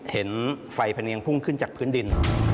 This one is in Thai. เห็นไฟพะเนียงพุ่งขึ้นจากพื้นดิน